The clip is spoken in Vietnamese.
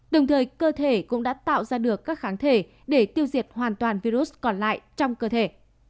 đồng thời cơ thể cũng đã tạo ra được các kháng thể để tiêu diệt hoàn toàn virus còn lại trong cơ thể